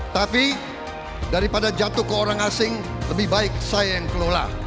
tapi daripada jatuh ke orang asing lebih baik saya yang kelola